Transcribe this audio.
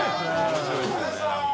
面白いですよね何か。